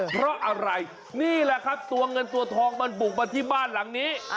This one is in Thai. เพราะอะไรนี่แหละครับตัวเงินตัวทองมันบุกมาที่บ้านหลังนี้